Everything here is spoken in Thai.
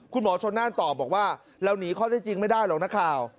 คุณหมอชนน่านตอบบอกว่าเราหนีข้อได้จริงไม่ได้หรอกนักข่าว